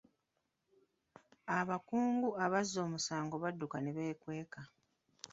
Abakungu abazza omusango badduka ne beekweka.